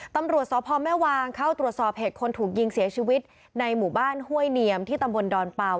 ตำรวจสพแม่วางเข้าตรวจสอบเหตุคนถูกยิงเสียชีวิตในหมู่บ้านห้วยเนียมที่ตำบลดอนเป่า